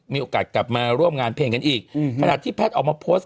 มีทางเป็นของตัวเอง